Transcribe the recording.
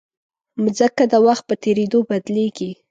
مځکه د وخت په تېرېدو بدلېږي.